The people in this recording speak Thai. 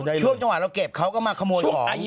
ช่วงจังหวะเราเก็บเขาก็มาขโมยของ